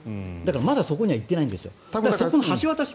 まだそこにはいってないんです。